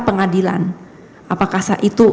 pengadilan apakah itu